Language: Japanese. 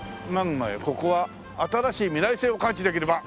「ここは新しい未来性を感知できる場」